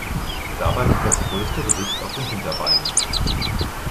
Dabei liegt das größte Gewicht auf den Hinterbeinen.